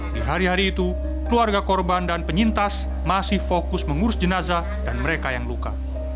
di hari hari itu keluarga korban dan penyintas masih fokus mengurus jenazah dan mereka yang luka